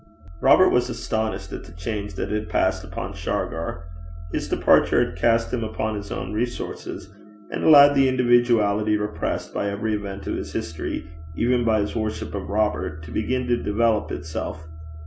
Robert was astonished at the change that had passed upon Shargar. His departure had cast him upon his own resources, and allowed the individuality repressed by every event of his history, even by his worship of Robert, to begin to develop itself.